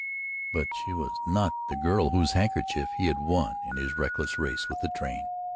But she was not the girl whose handkerchief he had won in his reckless race with the train!